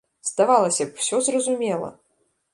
Здавалася б, усё зразумела!